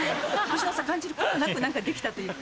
年の差感じることなく何かできたというか。